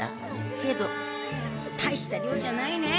けどたいした量じゃないねえ。